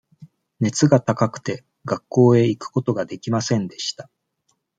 熱が高くて、学校へ行くことができませんでした。